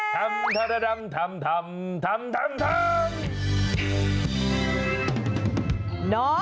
น้องสงสัย